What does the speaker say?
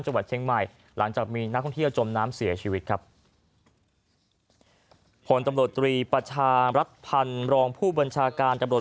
จังหวัดเชียงใหม่หลังจากมีนักท่องเที่ยวจมน้ำเสียชีวิตครับผลตำรวจตรีประชารัฐพันธ์รองผู้บัญชาการตำรวจ